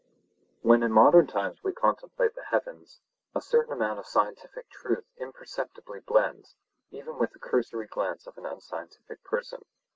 When in modern times we contemplate the heavens, a certain amount of scientific truth imperceptibly blends, even with the cursory glance of an unscientific person.